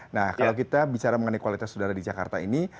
nah kalau kita bicara mengenai kualitas udara di jakarta ini